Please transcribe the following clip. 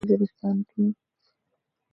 سرویکي، لدها، اعظم ورسک او په شمالي وزیرستان کې.